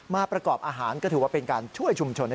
ประกอบอาหารก็ถือว่าเป็นการช่วยชุมชน